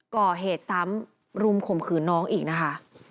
ก่อเหตุซ้ำรุมข่มขืนน้องอีกนะคะ